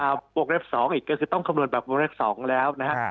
มีปกแรก๒ก็คือต้องคำนวณออกปกแรก๒แล้วนะฮะ